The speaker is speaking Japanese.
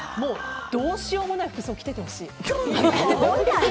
どうしようもない服装を着ててほしい。